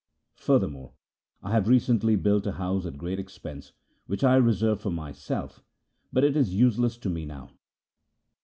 Further more, I have recently built a house at great expense, which I reserved for myself, but it is useless to me now.